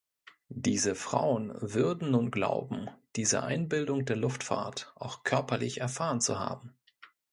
Diese Frauen würden nun glauben, diese Einbildung der Luftfahrt auch körperlich erfahren zu haben.